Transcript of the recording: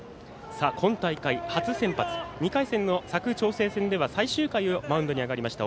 今大会、初先発、２回戦の佐久長聖戦では最終回マウンドに上がりました。